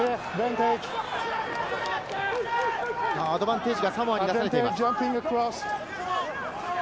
アドバンテージがサモアに出されています。